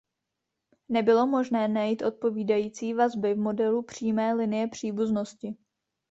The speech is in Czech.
Nebylo možné najít odpovídající vazby v modelu přímé linie příbuznosti.